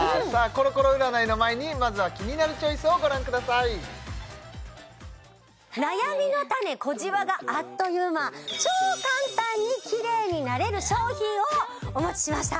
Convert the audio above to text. コロコロ占いの前にまずは「キニナルチョイス」をご覧ください悩みの種小じわがあっという間超簡単にキレイになれる商品をお持ちしました